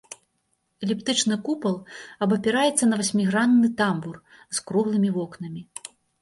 Эліптычны купал абапіраецца на васьмігранны тамбур з круглымі вокнамі.